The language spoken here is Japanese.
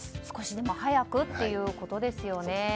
少しでも早くということですよね。